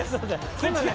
すいません。